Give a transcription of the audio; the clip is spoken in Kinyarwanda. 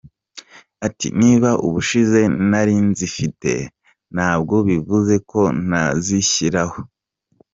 Ati “Niba ubushize ntari nzifite ntabwo bivuze ko ntazishyiraho.